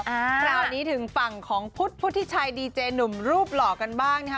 คราวนี้ถึงฝั่งของพุทธพุทธิชัยดีเจหนุ่มรูปหล่อกันบ้างนะคะ